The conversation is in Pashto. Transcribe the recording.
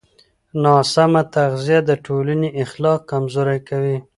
ناسمه تغذیه د ټولنې اخلاق کمزوري کوي.